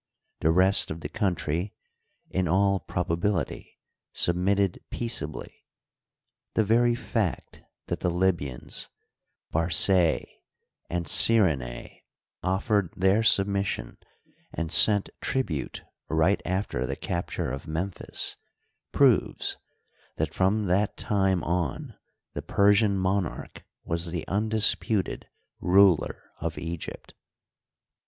The rest of the country in all probability submitted peaceably ; the very fact that the Libyans, Barcaea, and Cyrenae offered their submission and sent tribute right after the capture of Memphis proves that from that time on the Persian mon arch was the undisputed ruler of Egypt.